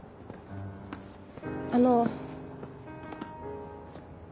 あの。